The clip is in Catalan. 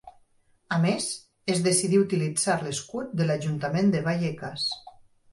A més, es decidí utilitzar l'escut de l'ajuntament de Vallecas.